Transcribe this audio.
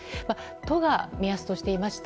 都が目安としていました